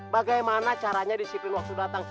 bagaimana caranya disiplin waktu datang